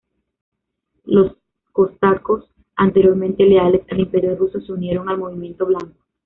Los cosacos, anteriormente leales al Imperio ruso, se unieron al movimiento Blanco.